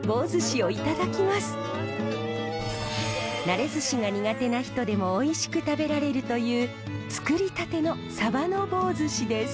なれずしが苦手な人でもおいしく食べられるというつくりたてのサバの棒ずしです。